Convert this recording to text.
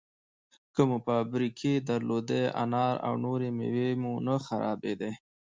که مو فابریکې درلودی، انار او نورې مېوې به مو نه خرابېدې!